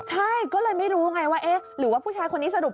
ใช่ก็เลยไม่รู้ไงว่าเอ๊ะหรือว่าผู้ชายคนนี้สรุป